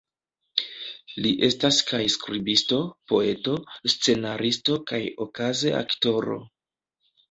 Li estas kaj skribisto, poeto, scenaristo kaj okaze aktoro.